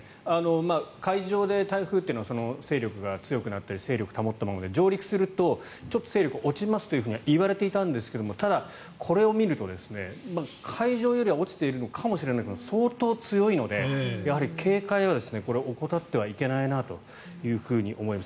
海上で台風っていうのは勢力が強くなったり勢力を保ったままで、上陸するとちょっと勢力は落ちますといわれていたんですがただ、これを見ると海上よりは落ちているのかもしれないけど相当強いので、やはり警戒は怠ってはいけないなと思います。